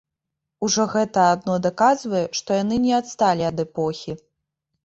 Ужо гэта адно даказвае, што яны не адсталі ад эпохі.